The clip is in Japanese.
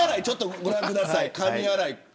ちょっとご覧ください、髪洗い。